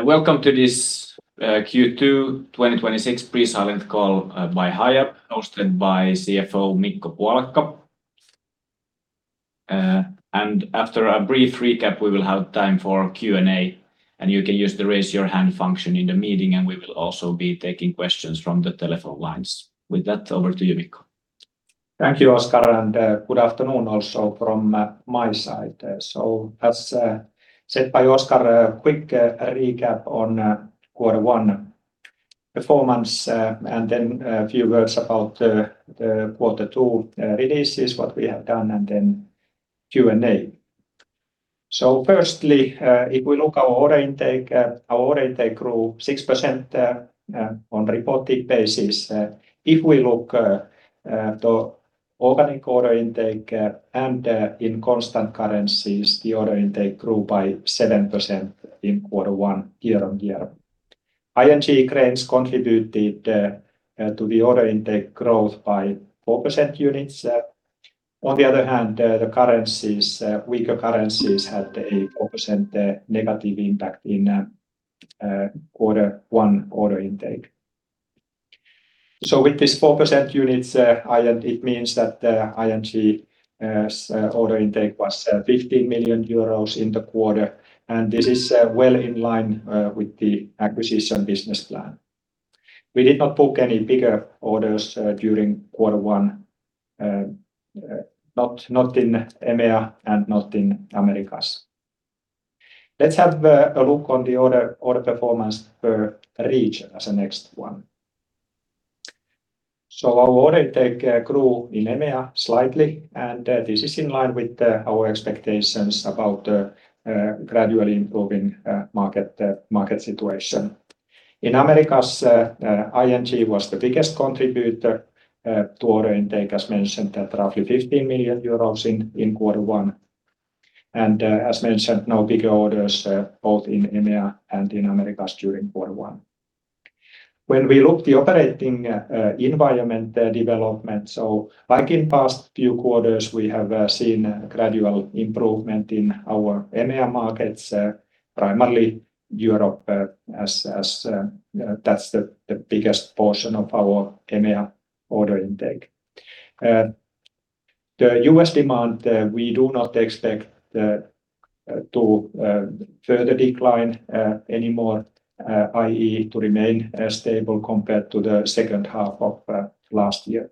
Welcome to this Q2 2026 pre-silent call by Hiab, hosted by CFO Mikko Puolakka. After a brief recap, we will have time for Q&A, you can use the raise your hand function in the meeting, we will also be taking questions from the telephone lines. With that, over to you, Mikko. Thank you, Oscar, good afternoon also from my side. As said by Oscar, a quick recap on Q1 performance, a few words about the Q2 releases, what we have done, then Q&A. Firstly, if we look our order intake, our order intake grew 7% on reported basis. If we look the organic order intake and in constant currencies, the order intake grew by 7% in Q1 year-on-year. ING Cranes contributed to the order intake growth by 4% units. On the other hand, the weaker currencies had a 4% negative impact in Q1 order intake. With this 4% units, it means that the ING's order intake was 15 million euros in the quarter, this is well in line with the acquisition business plan. We did not book any bigger orders during Q1, not in EMEA and not in Americas. Let's have a look on the order performance per region as the next one. Our order intake grew in EMEA slightly, this is in line with our expectations about gradually improving market situation. In Americas, ING was the biggest contributor to order intake, as mentioned, at roughly 15 million euros in Q1. As mentioned, no bigger orders both in EMEA and in Americas during Q1. When we look the operating environment development, like in past few quarters, we have seen gradual improvement in our EMEA markets, primarily Europe, as that's the biggest portion of our EMEA order intake. The U.S. demand, we do not expect to further decline anymore, i.e. to remain stable compared to the second half of last year.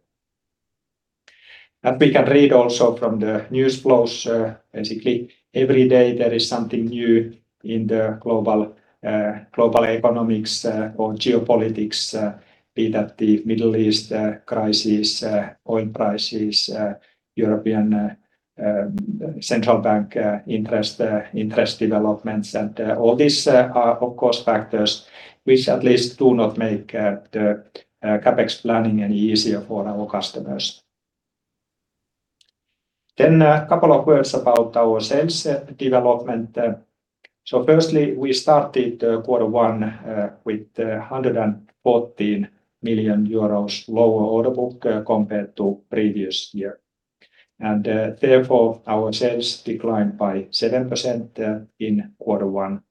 We can read also from the news flows, basically every day there is something new in the global economics or geopolitics, be that the Middle East crisis, oil prices, European Central Bank interest developments. All these are, of course, factors which at least do not make the CapEx planning any easier for our customers. A couple of words about our sales development. Firstly, we started Q1 with 114 million euros lower order book compared to previous year, therefore our sales declined by 7% in Q1.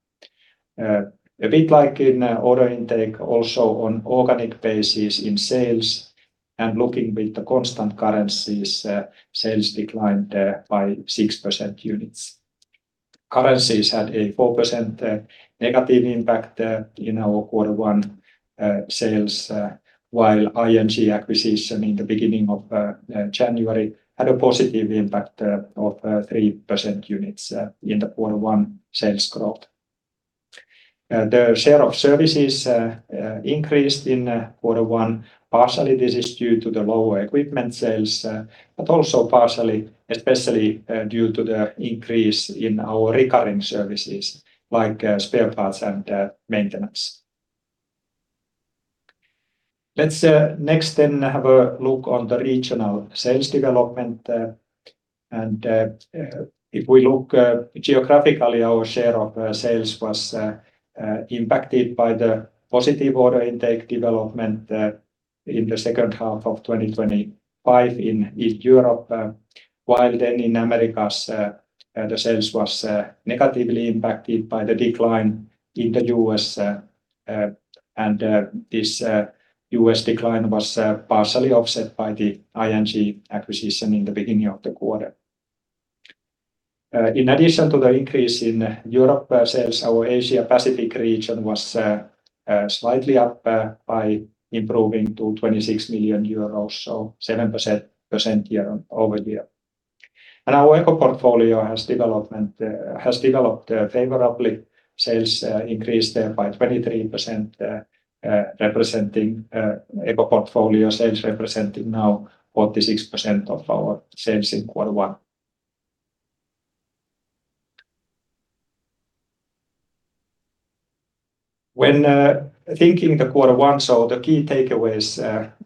A bit like in order intake, also on organic basis in sales and looking with the constant currencies, sales declined by 6% units. Currencies had a 4% negative impact in our Q1 sales, while ING acquisition in the beginning of January had a positive impact of 3% units in the Q1 sales growth. The share of services increased in quarter one. Partially, this is due to the lower equipment sales, but also partially, especially due to the increase in our recurring services like spare parts and maintenance. Next, have a look on the regional sales development. If we look geographically, our share of sales was impacted by the positive order intake development in the second half of 2025 in East Europe, while in Americas, the sales was negatively impacted by the decline in the U.S. This U.S. decline was partially offset by the ING acquisition in the beginning of the quarter. In addition to the increase in Europe sales, our Asia Pacific region was slightly up by improving to 26 million euros, so 7% year-over-year. Our Eco portfolio has developed favorably. Sales increased there by 23%, Eco portfolio sales representing now 46% of our sales in quarter one. When thinking the quarter one, the key takeaways,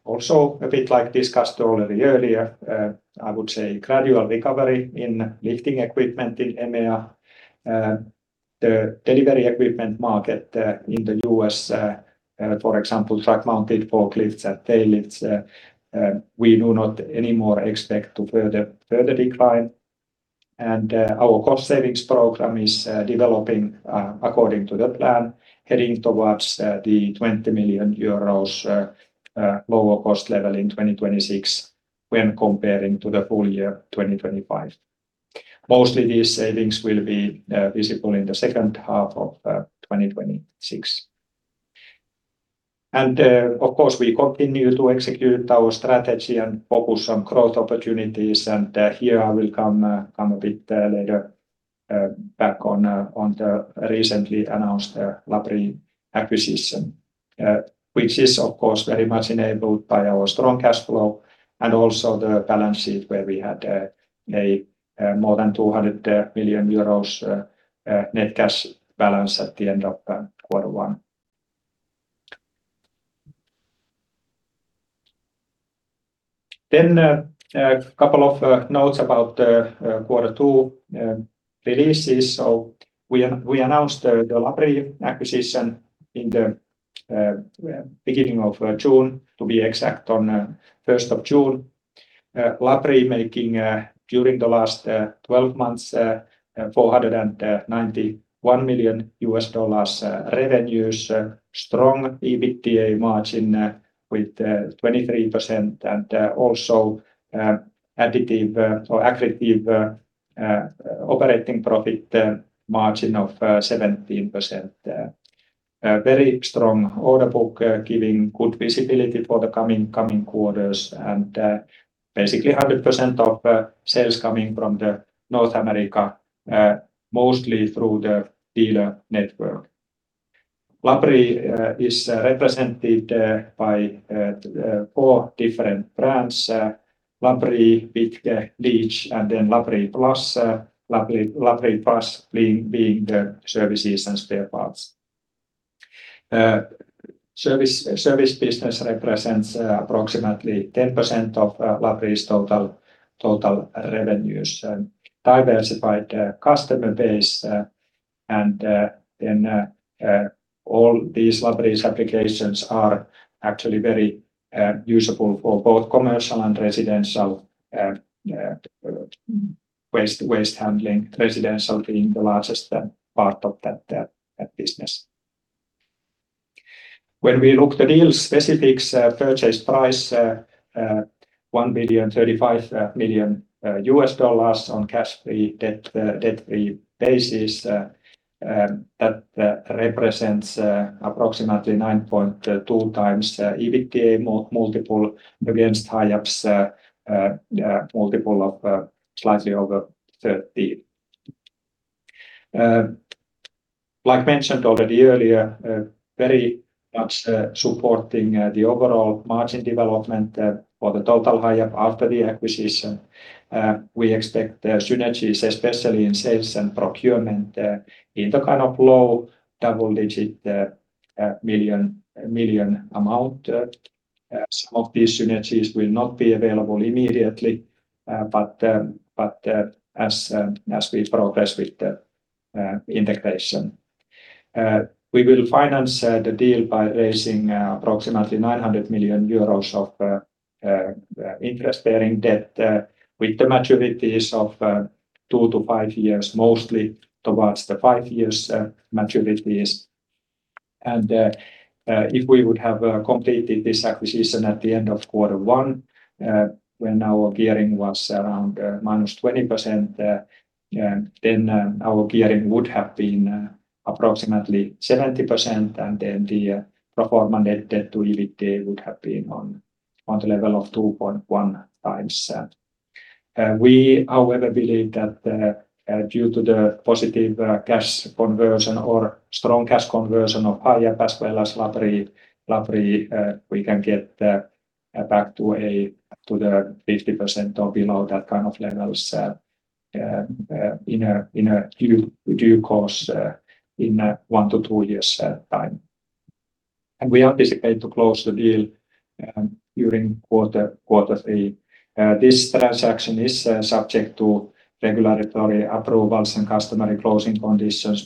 also a bit like discussed already earlier, I would say gradual recovery in lifting equipment in EMEA. The delivery equipment market in the U.S., for example, truck-mounted forklifts and tail lifts, we do not anymore expect to further decline. Our cost savings program is developing according to the plan, heading towards the 20 million euros lower cost level in 2026 when comparing to the full year 2025. Mostly, these savings will be visible in the second half of 2026. Of course, we continue to execute our strategy and focus on growth opportunities. Here I will come a bit later back on the recently announced Labrie acquisition, which is, of course, very much enabled by our strong cash flow and also the balance sheet where we had a more than 200 million euros net cash balance at the end of quarter one. A couple of notes about the quarter two releases. We announced the Labrie acquisition in the beginning of June, to be exact, on 1st of June. Labrie making, during the last 12 months, $491 million revenues, strong EBITDA margin with 23% and also additive or accretive operating profit margin of 17%. Very strong order book giving good visibility for the coming quarters and basically 100% of sales coming from North America, mostly through the dealer network. Labrie is represented by four different brands, Labrie, Wittke, Leach and LabriePlus. LabriePlus being the services and spare parts. Service business represents approximately 10% of Labrie's total revenues. Diversified customer base, all these Labrie's applications are actually very usable for both commercial and residential waste handling, residential being the largest part of that business. When we look the deal specifics, purchase price, $1.035 billion on cash-free, debt-free basis. That represents approximately 9.2x EBITDA multiple against Hiab's multiple of slightly over 13x. Like mentioned already earlier, very much supporting the overall margin development for the total Hiab after the acquisition. We expect synergies, especially in sales and procurement, in the kind of low double-digit million amount. Some of these synergies will not be available immediately. As we progress with the integration, we will finance the deal by raising approximately 900 million euros of interest-bearing debt with the maturities of two to five years, mostly towards the five years maturities. If we would have completed this acquisition at the end of Q1, when our gearing was around -20%, then our gearing would have been approximately 70% and then the pro forma net debt to EBITDA would have been on the level of 2.1x. We, however, believe that due to the positive cash conversion or strong cash conversion of Hiab as well as Labrie, we can get back to the 50% or below that kind of levels in due course, in one to two years' time. We anticipate to close the deal during Q3. This transaction is subject to regulatory approvals and customary closing conditions.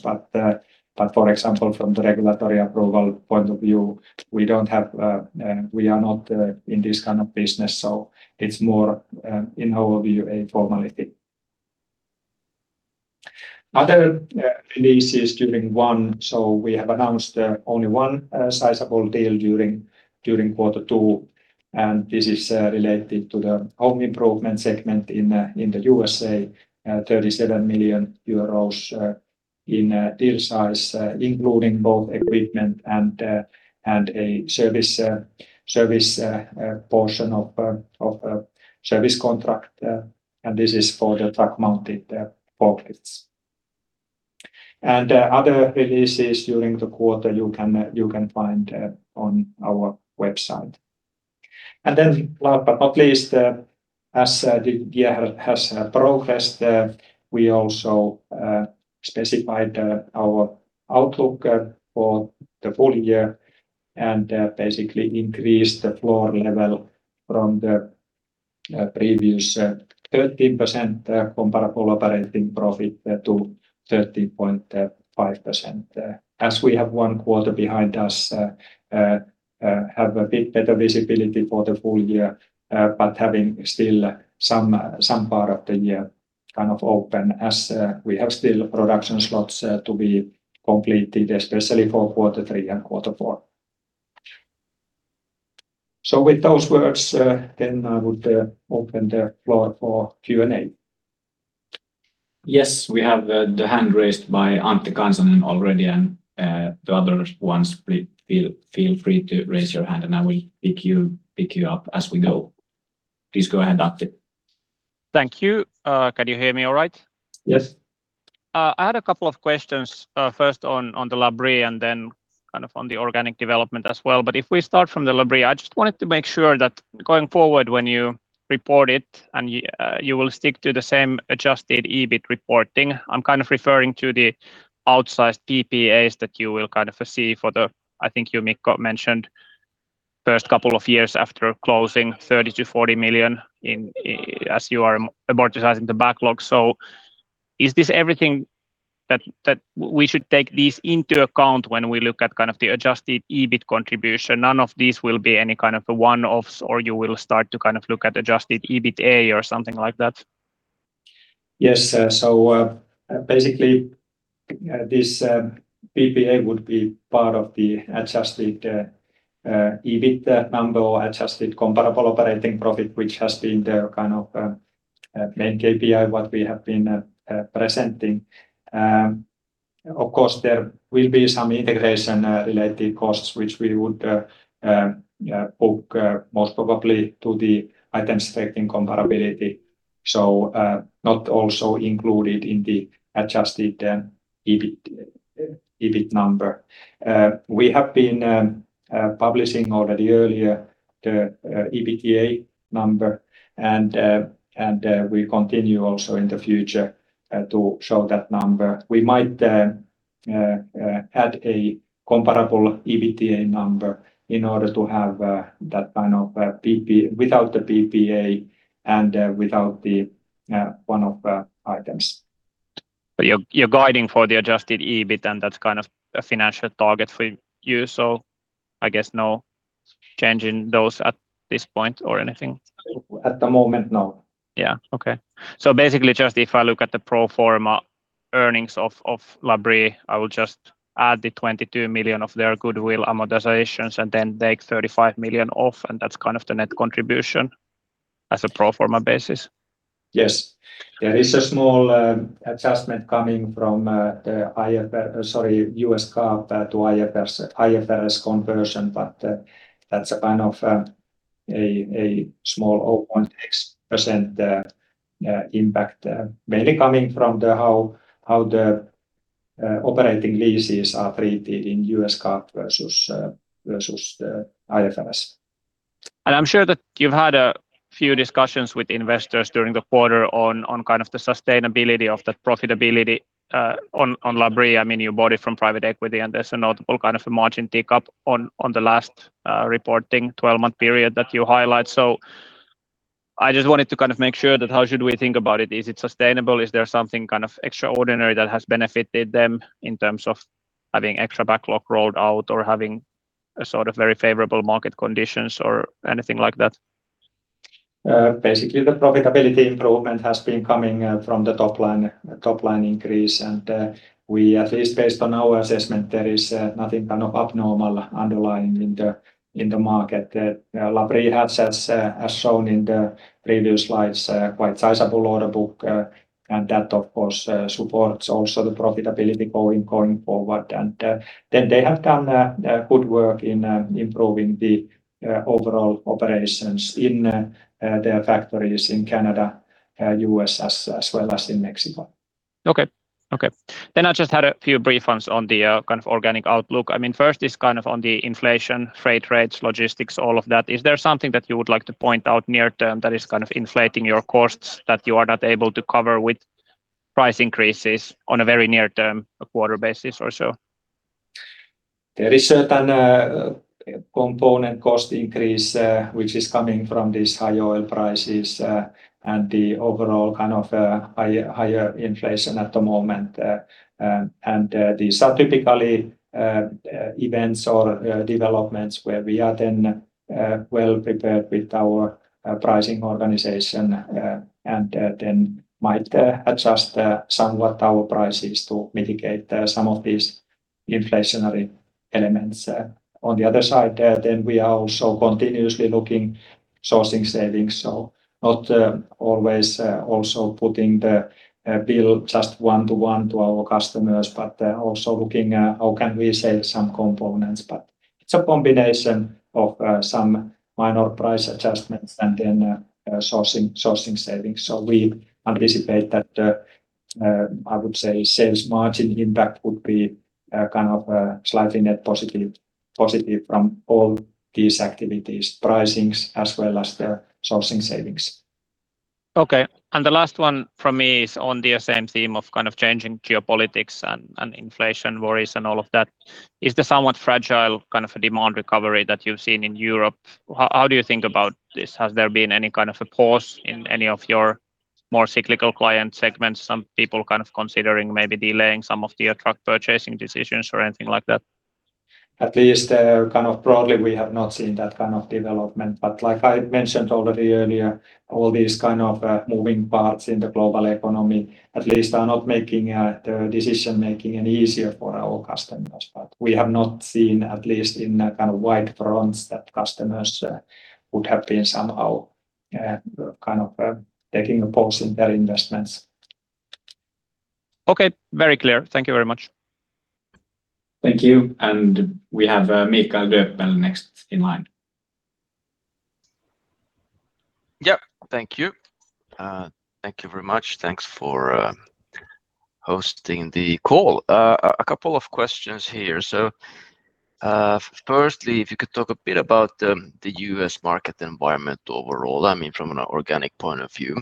For example, from the regulatory approval point of view, we are not in this kind of business, so it's more, in our view, a formality. Other releases during one, we have announced only one sizable deal during Q2, and this is related to the home improvement segment in the U.S.A., 37 million euros in deal size, including both equipment and a service portion of a service contract. This is for the truck-mounted forklifts. Other releases during the quarter, you can find on our website. Last but not least, as the year has progressed, we also specified our outlook for the full year and basically increased the floor level from the previous 13% comparable operating profit to 13.5%. As we have one quarter behind us, have a bit better visibility for the full year, but having still some part of the year kind of open as we have still production slots to be completed, especially for Q3 and Q4. With those words, I would open the floor for Q&A. Yes, we have the hand raised by Antti Kansanen already, the other ones, feel free to raise your hand and I will pick you up as we go. Please go ahead, Antti. Thank you. Can you hear me all right? Yes. I had a couple of questions. First on the Labrie and then on the organic development as well. If we start from the Labrie, I just wanted to make sure that going forward when you report it and you will stick to the same adjusted EBIT reporting. I'm referring to the outsized PPAs that you will foresee for the, I think you, Mikko, mentioned first couple of years after closing 30 million-40 million as you are amortizing the backlog. Is this everything that we should take these into account when we look at the adjusted EBIT contribution? None of these will be any kind of one-offs, or you will start to look at adjusted EBITA or something like that? Yes. Basically, this PPA would be part of the adjusted EBIT number or adjusted comparable operating profit, which has been the main KPI what we have been presenting. Of course, there will be some integration-related costs, which we would book most probably to the items affecting comparability. Not also included in the adjusted EBIT number. We have been publishing already earlier the EBITA number, and we continue also in the future to show that number. We might add a comparable EBITA number in order to have that kind of PPA without the PPA and without the one-off items. You're guiding for the adjusted EBIT, and that's kind of a financial target for you. I guess no change in those at this point or anything. At the moment, no. Basically, just if I look at the pro forma earnings of Labrie, I will just add the $22 million of their goodwill amortizations then take $35 million off, and that's kind of the net contribution as a pro forma basis? There is a small adjustment coming from the IFRS conversion, that's a small 0.6% impact mainly coming from how the operating leases are treated in US GAAP versus the IFRS. I'm sure that you've had a few discussions with investors during the quarter on the sustainability of that profitability on Labrie. You bought it from private equity, there's a notable kind of a margin tick up on the last reporting 12-month period that you highlight. I just wanted to make sure that how should we think about it. Is it sustainable? Is there something kind of extraordinary that has benefited them in terms of having extra backlog rolled out or having a sort of very favorable market conditions or anything like that? Basically, the profitability improvement has been coming from the top-line increase. We, at least based on our assessment, there is nothing kind of abnormal underlying in the market that Labrie has as shown in the previous slides, quite sizable order book. That of course, supports also the profitability going forward. Then they have done good work in improving the overall operations in their factories in Canada, U.S. as well as in Mexico. Okay. I just had a few brief ones on the kind of organic outlook. First is on the inflation, freight rates, logistics, all of that. Is there something that you would like to point out near term that is kind of inflating your costs that you are not able to cover with price increases on a very near term, a quarter basis or so? There is certain component cost increase which is coming from these high oil prices and the overall kind of higher inflation at the moment. These are typically events or developments where we are then well-prepared with our pricing organization and then might adjust somewhat our prices to mitigate some of these inflationary elements. On the other side there, we are also continuously looking sourcing savings. Not always also putting the bill just one to one to our customers, but also looking at how can we save some components. It's a combination of some minor price adjustments and then sourcing savings. We anticipate that, I would say sales margin impact would be kind of slightly net positive from all these activities, pricings as well as the sourcing savings. Okay. The last one from me is on the same theme of changing geopolitics and inflation worries and all of that. Is the somewhat fragile kind of a demand recovery that you've seen in Europe, how do you think about this? Has there been any kind of a pause in any of your more cyclical client segments, some people kind of considering maybe delaying some of their truck purchasing decisions or anything like that? At least, broadly, we have not seen that kind of development. Like I mentioned already earlier, all these moving parts in the global economy, at least are not making the decision-making any easier for our customers. We have not seen, at least in wide fronts, that customers would have been somehow taking a pause in their investments. Okay. Very clear. Thank you very much. Thank you. We have Mikael Doepel next in line. Thank you. Thank you very much. Thanks for hosting the call. A couple of questions here. Firstly, if you could talk a bit about the U.S. market environment overall. From an organic point of view,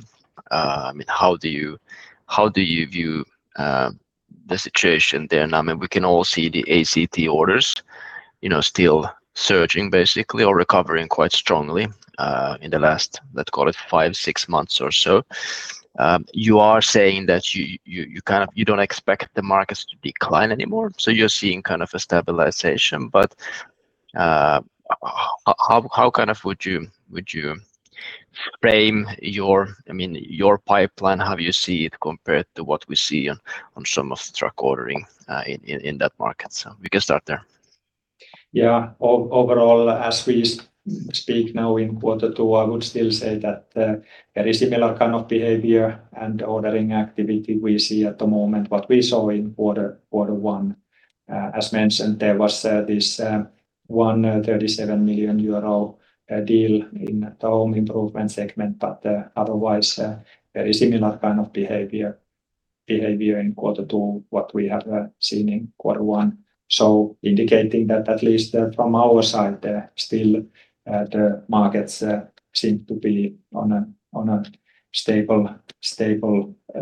how do you view the situation there now? We can all see the ACT orders still surging, basically, or recovering quite strongly in the last, let's call it, five, six months or so. You are saying that you don't expect the markets to decline anymore, so you're seeing a stabilization. How would you frame your pipeline? How do you see it compared to what we see on some of the truck ordering in that market? We can start there. Yeah. Overall, as we speak now in Q2, I would still say that very similar kind of behavior and ordering activity we see at the moment what we saw in Q1. As mentioned, there was this 37 million euro deal in the home improvement segment. Otherwise, very similar kind of behavior in Q2 what we have seen in Q1. Indicating that at least from our side, still the markets seem to be on a stable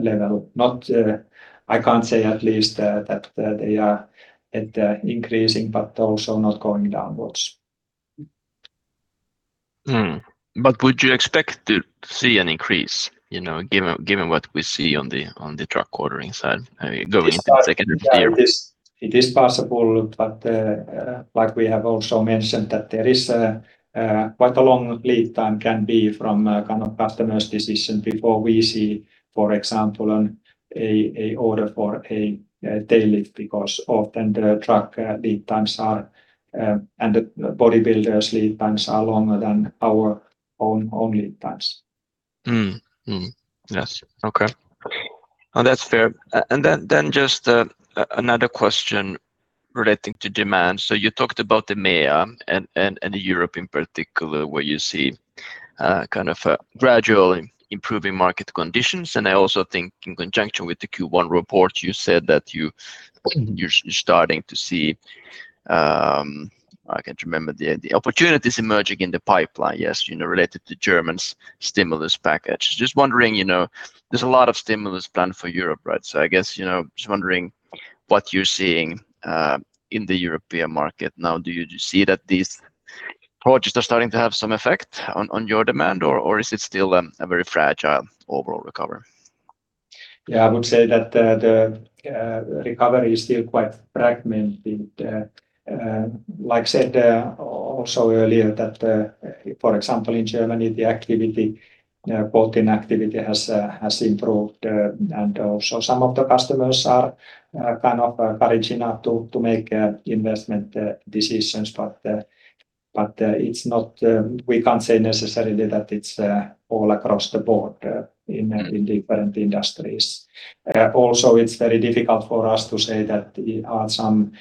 level. I can't say at least that they are increasing, but also not going downwards. Would you expect to see an increase, given what we see on the truck ordering side going into the second half of the year? It is possible, like we have also mentioned that there is quite a long lead time can be from a customer's decision before we see, for example, an order for a Labrie because often the truck lead times are, and the body builders lead times are longer than our own lead times. Yes. Okay. No, that's fair. Then just another question relating to demand. You talked about the EMEA and Europe in particular, where you see gradual improving market conditions. I also think in conjunction with the Q1 report, you said that you're starting to see opportunities emerging in the pipeline. Yes. Related to Germany's stimulus package. Just wondering, there's a lot of stimulus planned for Europe, right? I guess, just wondering what you're seeing in the European market now. Do you see that these projects are starting to have some effect on your demand, or is it still a very fragile overall recovery? I would say that the recovery is still quite fragmented. Like I said also earlier that, for example, in Germany, the quoting activity has improved. Some of the customers are kind of courage enough to make investment decisions. We can't say necessarily that it's all across the board in different industries. It's very difficult for us to say that some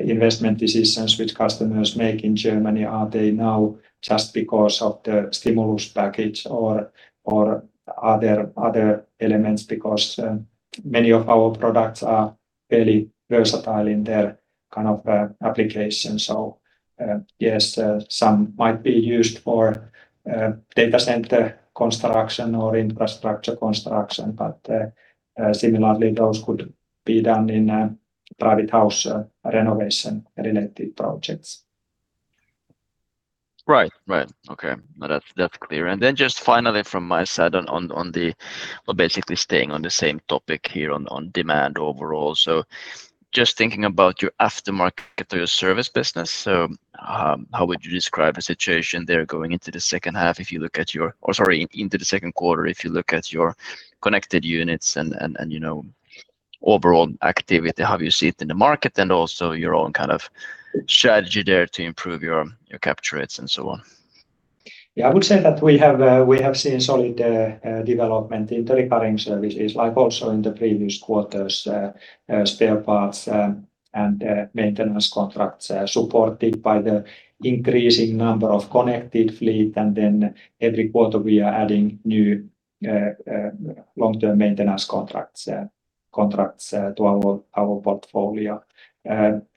investment decisions which customers make in Germany, are they now just because of the stimulus package or are there other elements? Because many of our products are very versatile in their application. Yes, some might be used for data center construction or infrastructure construction, but similarly, those could be done in a private house renovation-related projects. Right. Okay. No, that's clear. Just finally from my side on the basically staying on the same topic here on demand overall. Just thinking about your aftermarket or your service business. How would you describe the situation there going into the second quarter if you look at your connected units and overall activity, how you see it in the market, and also your own kind of strategy there to improve your capture rates and so on? I would say that we have seen solid development in the recurring services, like also in the previous quarters, spare parts and maintenance contracts, supported by the increasing number of connected fleet. Every quarter, we are adding new long-term maintenance contracts to our portfolio.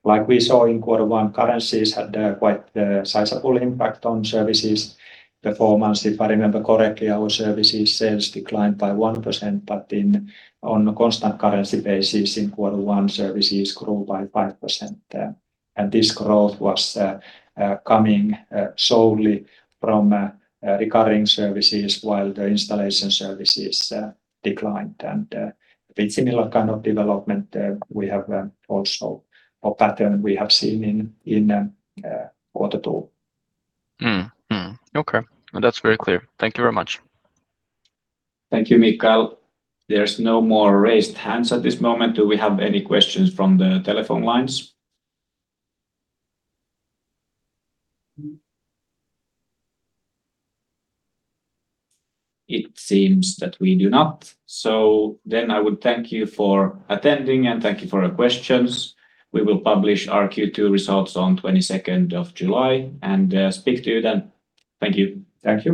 Like we saw in quarter one, currencies had a quite sizable impact on services performance. If I remember correctly, our services sales declined by 1%. On a constant currency basis, in quarter one, services grew by 5%. This growth was coming solely from recurring services while the installation services declined. Very similar kind of development we have also, or pattern we have seen in quarter two. Okay. No, that's very clear. Thank you very much. Thank you, Mikael. There's no more raised hands at this moment. Do we have any questions from the telephone lines? It seems that we do not. I would thank you for attending, and thank you for your questions. We will publish our Q2 results on 22nd of July and speak to you then. Thank you. Thank you.